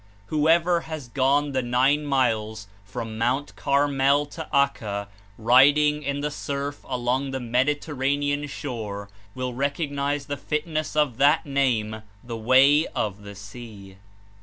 Whoever has gone the nine miles from Mt. Carmel to Acca, riding in the surf along the Mediterranean shore, will recognize the fit ness of that name "the way of the sea."